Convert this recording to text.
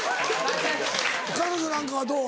彼女なんかはどう？